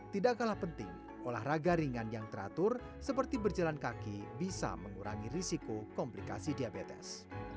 tidak kalah penting olahraga ringan yang teratur seperti berjalan kaki bisa mengurangi risiko komplikasi diabetes